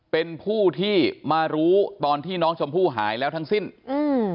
เป็นผู้ที่มารู้ตอนที่น้องชมพู่หายแล้วทั้งสิ้นอืม